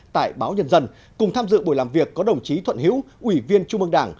tại báo nhân dân cùng tham dự buổi làm việc có đồng chí thuận hiễu ủy viên trung ương đảng